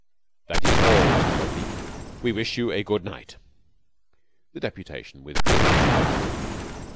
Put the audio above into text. That is all, Senor Bleke. We wish you a good night." The deputation withdrew.